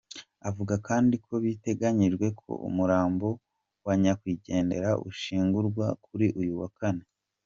Avuga kandi ko biteganyijwe ko umurambo wa nyakwigendera ushyingurwa kuri uyu wa kane.